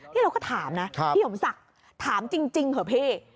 นี่เราก็ถามนะพี่สมศักดิ์ถามจริงเถอะพี่